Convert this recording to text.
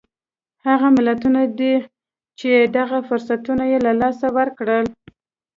هغه ملتونه دي چې دغه فرصتونه یې له لاسه ورکړل.